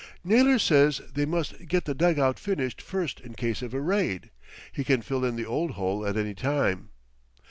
"Naylor says they must get the dug out finished first in case of a raid. He can fill in the old hole at any time."